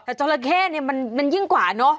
แต่เจราะแคร่นี่มันยิ่งกว่าน่ะ